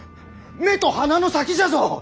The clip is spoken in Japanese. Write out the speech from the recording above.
目と鼻の先じゃぞ！